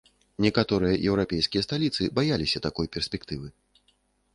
Некаторыя еўрапейскія сталіцы баяліся такой перспектывы.